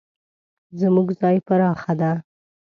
زموږ ځای پراخه ده